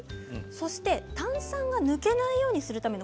そして炭酸が抜けないようにするための